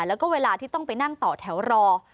แล้วก็เวลาที่ต้องไปนั่งต่อแถวรอ